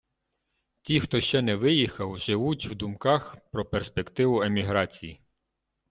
Ті, хто ще не виїхав, живуть в думках про перспективу еміграції.